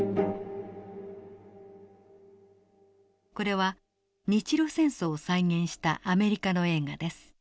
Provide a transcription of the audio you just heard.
これは日露戦争を再現したアメリカの映画です。